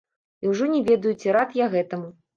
І ўжо не ведаю, ці рад я гэтаму.